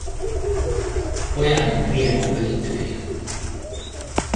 Pojan riemu yltyi.